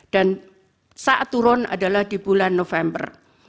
dan saat turun adalah di bulan november